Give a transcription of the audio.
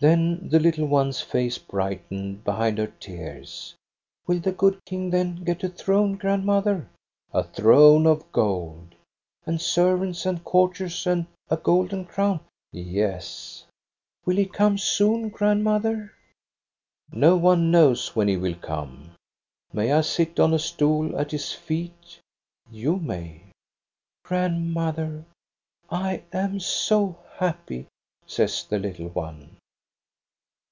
' "Then the little one's face brightened behind her tears. "' Will the good King then get a throne, grand mother? * A throne of gold. * And servants, and courtiers, and a golden crown }*"' Yes. '"* Will he come soon, grandmother? *"' No one knows when he will come.' May I sit on a stool at his feet? ' You may. ' Grandmother, I am so happy,' says the little one.